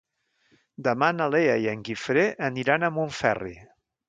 Demà na Lea i en Guifré aniran a Montferri.